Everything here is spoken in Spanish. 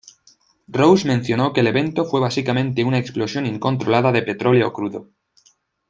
Rose mencionó que el evento fue básicamente una explosión incontrolada de petróleo crudo.